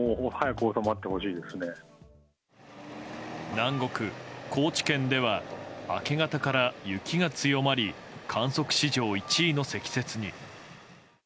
南国・高知県では明け方から雪が強まり観測史上１位の積雪に。